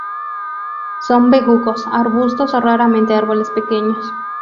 Son bejucos, arbustos o raramente árboles pequeños.